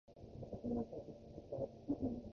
愛媛県内子町